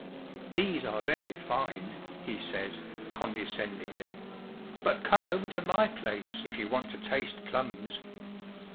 "These are very fine," he says, condescendingly ;" but come over to my place if you want to taste plums."